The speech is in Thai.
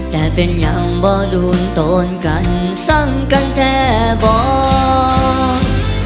แต่เป็นอย่างบ่โดนตนกันสั่งกันแต่บอก